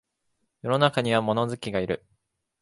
世の中には物好きがいる